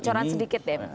pocoran sedikit deh